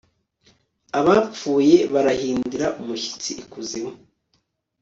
abapfuye barahindira umushyitsi ikuzimu